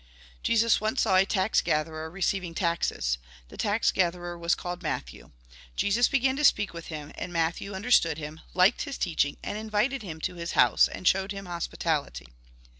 Jesus once saw a tax gatherer recei\'irig taxes. The tax gathei er was called ]\Iatthew. Jesus began to speak with him, and Matthew understood him, liked his teaching, and invited him to his house, and showed him hospitality.